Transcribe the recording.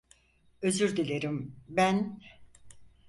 Özür dilerim, ben…